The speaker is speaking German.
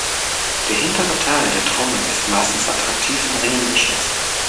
Der hintere Teil der Trommel ist meistens attraktiv in Ringen geschnitzt.